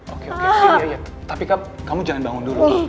oke oke tapi kamu jangan bangun dulu